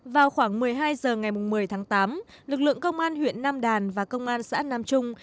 vào khoảng một mươi hai h ngày một mươi tháng tám lực lượng công an huyện nam đàn và công an xã nam trung